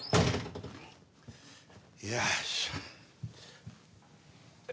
よいしょ。